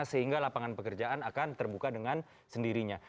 sehingga lapangan pekerjaan akan terbuka dengan sendirinya